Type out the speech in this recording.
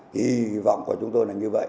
kỳ vọng của chúng tôi là như vậy